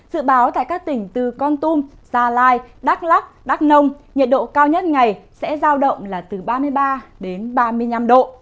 dự báo tại các tỉnh từ con tum gia lai đắk lắc đắk nông nhiệt độ cao nhất ngày sẽ giao động là từ ba mươi ba đến ba mươi năm độ